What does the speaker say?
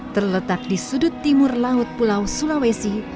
terletak di sudut timur laut pulau sulawesi